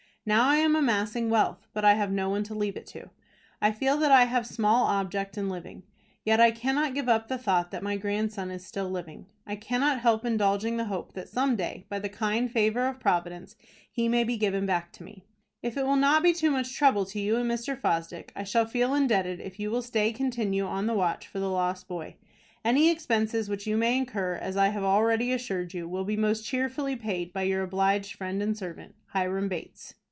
Now I am amassing wealth but I have no one to leave it to. I feel that I have small object in living. Yet I cannot give up the thought that my grandson is still living. I cannot help indulging the hope that some day, by the kind favor of Providence, he may be given back to me. "If it will not be too much trouble to you and Mr. Fosdick, I shall feel indebted if you will still continue on the watch for the lost boy. Any expenses which you may incur, as I have already assured you, will be most cheerfully paid by your obliged friend and servant, "HIRAM BATES."